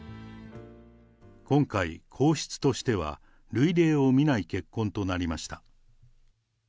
今回、皇室としては類例を見ない結婚となりました。